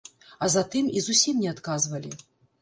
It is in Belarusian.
А затым і зусім не адказвалі.